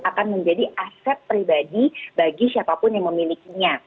akan menjadi aset pribadi bagi siapapun yang memilikinya